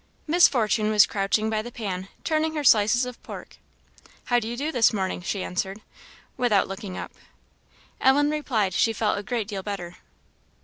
Miss Fortune was crouching by the pan, turning her slices of pork. "How do you do this morning?" she answered, without looking up. Ellen replied she felt a great deal better.